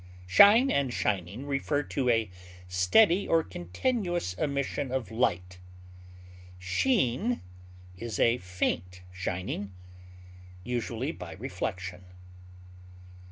Shine and shining refer to a steady or continuous emission of light; sheen is a faint shining, usually by reflection.